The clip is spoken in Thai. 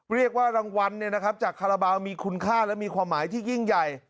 เรียกว่ารางวัลเนี่ยนะครับจากฮาราบาลมีคุณค่าและความหมายที่ยิ่งใหญ่